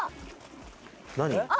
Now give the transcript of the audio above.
何？